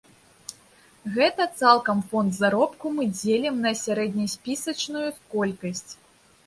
Гэта цалкам фонд заробку мы дзелім на сярэднеспісачную колькасць.